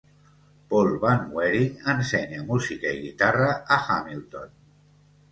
Paul Van Wering ensenya música i guitarra a Hamilton.